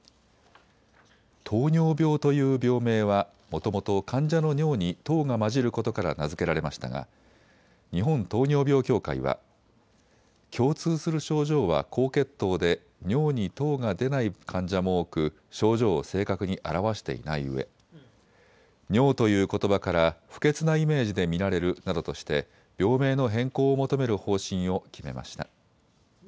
糖尿病という病名はもともと患者の尿に糖が混じることから名付けられましたが日本糖尿病協会は共通する症状は高血糖で尿に糖が出ない患者も多く症状を正確に表していないうえ尿ということばから不潔なイメージで見られるなどとして病名の変更を求める方針を決めました。